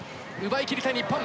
奪いきりたい日本。